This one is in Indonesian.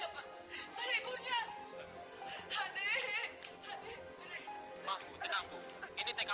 pak udah pak